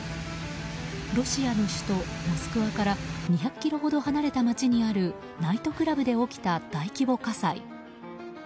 ロシアの首都モスクワから２００ｋｍほど離れた街にあるナイトクラブで起きた大規模火災。